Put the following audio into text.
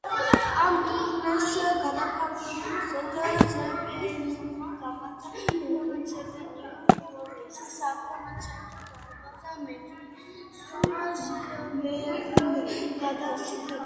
ამ ტურნეს ფარგლებში ლედ ზეპელინმა გამართა კონცერტი ნიუ-იორკის საკონცერტო დარბაზ მედისონ სკვერ გარდენში.